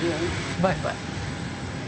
バイバイ。